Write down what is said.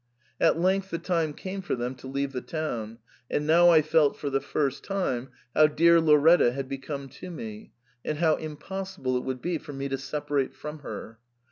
At length the time came for them to leave the town. And now I felt for the first time how dear Lauretta had become to me, and how impossible it would be for me to separate from her.